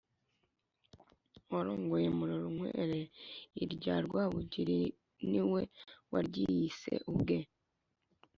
warongoye murorunkwere; irya rwabugili ni we waryiyise ubwe,